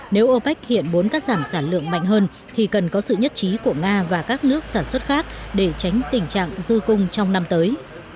nếu opec hiện muốn cắt giảm sản lượng mạnh hơn thì cần có sự nhất trí của nga và các nước sản xuất khác để tránh tình trạng dư cung trong năm tới